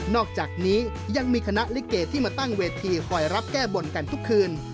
อกจากนี้ยังมีคณะลิเกที่มาตั้งเวทีคอยรับแก้บนกันทุกคืน